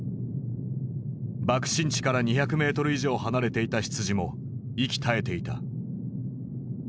爆心地から２００メートル以上離れていた羊も息絶えていた。